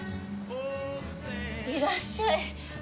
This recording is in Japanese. いらっしゃい。